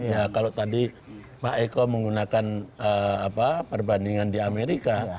ya kalau tadi pak eko menggunakan perbandingan di amerika